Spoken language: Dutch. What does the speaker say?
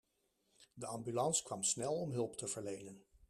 De ambulance kwam snel om hulp te verlenen.